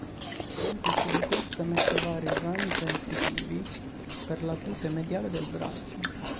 Durante il suo decorso emette vari rami sensitivi per la cute mediale del braccio.